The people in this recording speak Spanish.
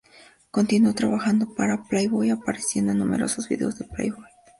Continuó trabajando para "Playboy", apareciendo en numerosos vídeos de "Playboy".